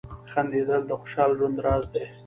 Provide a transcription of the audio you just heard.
• خندېدل د خوشال ژوند راز دی.